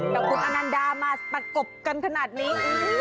แต่คุณอนันดามาประกบกันขนาดนี้